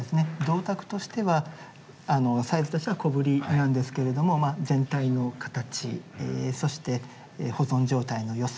銅鐸としてはサイズとしては小ぶりなんですけれども全体の形そして保存状態の良さ。